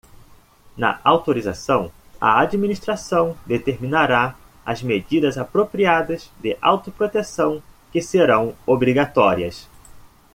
Na autorização, a Administração determinará as medidas apropriadas de autoproteção que serão obrigatórias.